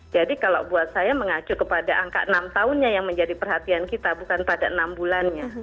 jadi kalau buat saya mengacu kepada angka enam tahunnya yang menjadi perhatian kita bukan pada enam bulannya